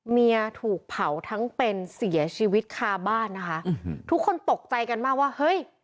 เมียถูกเผาทั้งเป็นเสียชีวิตคาบ้านนะคะทุกคนตกใจกันมากว่าเฮ้ย